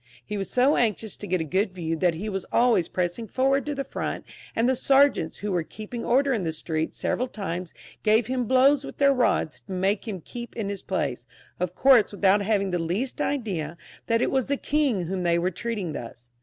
He was so anxious to get a good view, that he was always pressing forwards to the front, and thQ sergeants who were keeping order in the street, several times gave him blows with their rods to make him keep in his place, of course without having the least idea that it was the king whom they were treating thus.